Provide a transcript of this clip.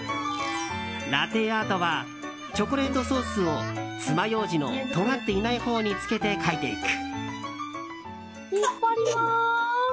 ラテアートはチョコレートソースをつまようじのとがっていないほうにつけて描いていく。